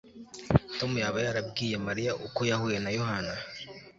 Tom yaba yarabwiye Mariya uko yahuye na Yohana